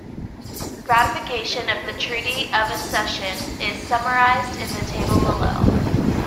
Ratification of the Treaty of Accession is summarized in the table below.